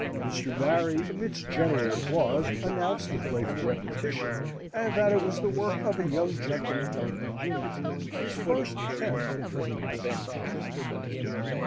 Mr. Barry, amidst general applause, announced the play for repetition, and that it was the work of a young gentleman of Virginia, his first attempt in the dramatic style.